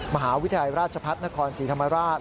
มหาวิทยาลัยราชพัฒนครศรีธรรมราช